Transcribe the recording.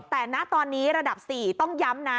แต่ณตอนนี้ระดับ๔ต้องย้ำนะ